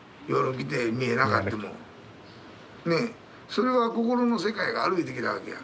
それは心の世界がある言うてきたわけや。